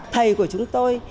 thầy của chúng tôi